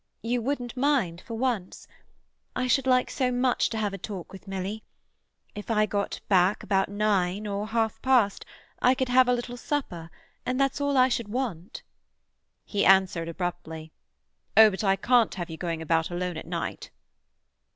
You wouldn't mind, for once? I should like so much to have a talk with Milly. If I got back about nine or half past, I could have a little supper, and that's all I should want." He answered abruptly,— "Oh, but I can't have you going about alone at night."